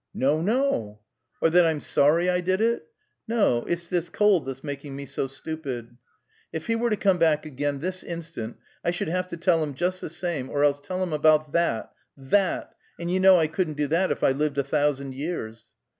"No, no " "Or that I'm sorry I did it?" "No; it's this cold that's making me so stupid." "If he were to come back again this instant, I should have to tell him just the same, or else tell him about that that and you know I couldn't do that if I lived a thousand years."